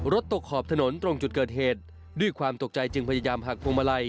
ตกขอบถนนตรงจุดเกิดเหตุด้วยความตกใจจึงพยายามหักพวงมาลัย